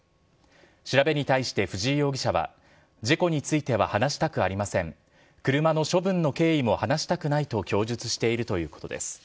調べに対して、藤井容疑者は事故については話したくありません、車の処分の経緯も話したくないと供述しているということです。